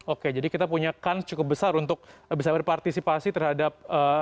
oke jadi kita punya kans cukup besar untuk bisa berpartisipasi terhadap